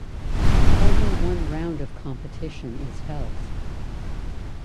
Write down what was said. Only one round of competition is held.